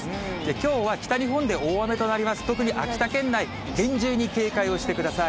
きょうは北日本で大雨となります、特に秋田県内、厳重に警戒をしてください。